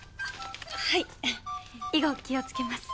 はい以後気をつけます。